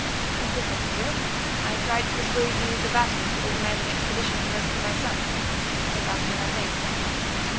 "Nothing particular. I tried to persuade these Abati to organize an expedition to rescue my son, but they laughed in my face.